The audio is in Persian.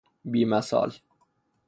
بیمثال